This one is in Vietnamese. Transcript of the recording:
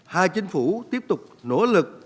hai chính phủ tiếp tục nỗ lực